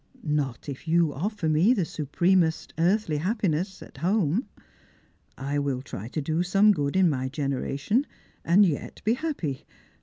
" Not if yoa offer me the supremest earthly happiness at home. I will try to do some good in my generation, and yet be happy.